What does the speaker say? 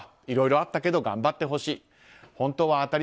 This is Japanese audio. いろいろあったけど頑張ってほしい。